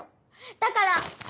だから。